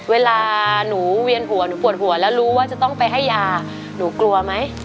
เวลาหนูเวียนหัวหนูปวดหัวแล้วรู้ว่าจะต้องไปให้ยาหนูกลัวไหม